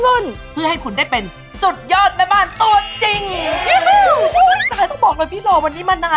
เพื่อให้คุณได้เป็นสุดยอดแม่บ้านตัวจริง